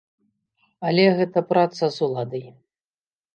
Але гэта праца з уладай.